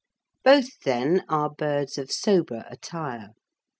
Both, then, are birds of sober attire.